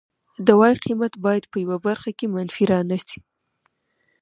د وای قیمت باید په یوه برخه کې منفي را نشي